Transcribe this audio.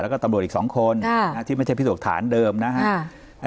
แล้วก็ตำรวจอีก๒คนที่ไม่ใช่พิสูจน์ฐานเดิมนะครับ